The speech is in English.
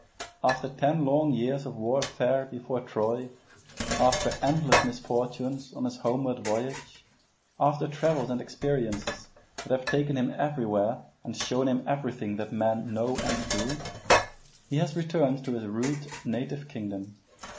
After ten long years of warfare before Troy, after endless misfortunes on his homeward voyage, after travels and experiences that have taken him everywhere and shown him everything that men know and do, he has returned to his rude native kingdom.